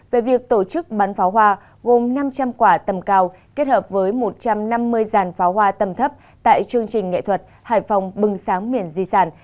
về việc tổ chức bắn pháo hoa gồm năm trăm linh quả tầm cao kết hợp với một trăm năm mươi dàn pháo hoa tầm thấp tại chương trình nghệ thuật hải phòng bừng sáng miền di sản